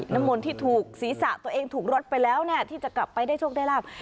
น้ำมนต์ที่ถูกศีรษะตัวเองถูกรดไปแล้วเนี่ยที่จะกลับไปได้โชคได้ลาบ